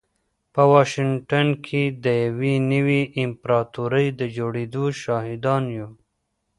په واشنګټن کې د يوې نوې امپراتورۍ د جوړېدو شاهدان يو.